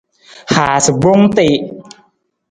Haasa gbong tii.